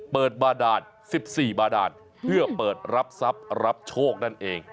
บาดาน๑๔บาดานเพื่อเปิดรับทรัพย์รับโชคนั่นเอง